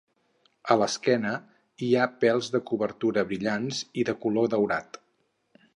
A l'esquena hi ha pèls de cobertura brillants i de color daurat.